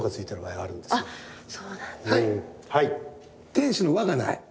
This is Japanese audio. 天使の輪がない。